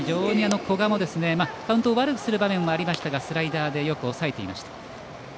古賀もカウントを悪くする場面はありましたがスライダーでよく抑えていました。